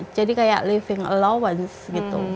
jadi kayak living allowance